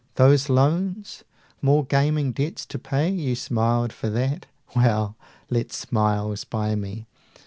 Those loans? More gaming debts to pay? You smiled for that? Well, let smiles buy me!